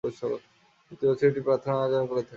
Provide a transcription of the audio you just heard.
প্রতি বছর এটি প্রার্থনার আয়োজন করে।